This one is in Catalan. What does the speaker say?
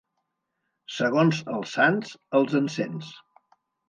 Segons els sants, els encens.